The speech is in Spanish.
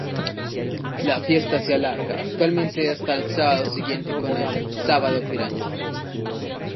La fiesta se alarga actualmente hasta el sábado siguiente con el "Sábado Piraña".